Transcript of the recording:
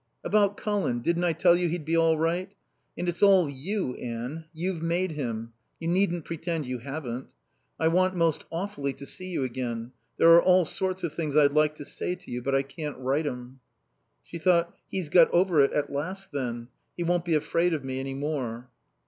"About Colin. Didn't I tell you he'd be all right? And it's all you, Anne. You've made him; you needn't pretend you haven't. I want most awfully to see you again. There are all sorts of things I'd like to say to you, but I can't write 'em." She thought: "He's got over it at last, then. He won't be afraid of me any more."